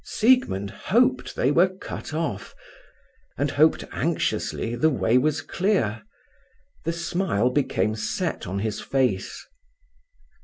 Siegmund hoped they were cut off, and hoped anxiously the way was clear. The smile became set on his face.